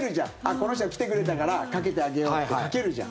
この人は来てくれたからかけてあげようってかけるじゃん。